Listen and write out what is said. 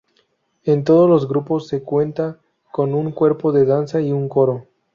En todos los grupos se cuenta con un cuerpo de danza y un coro.